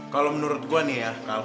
kalau menurut gue nih ya